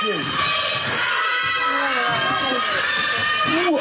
うわ！